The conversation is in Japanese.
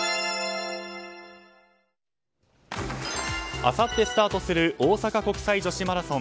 あさってスタートする大阪国際女子マラソン。